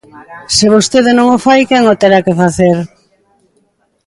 Se vostede non o fai, quen o terá que facer?